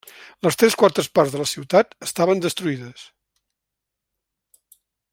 Les tres quartes parts de la ciutat estaven destruïdes.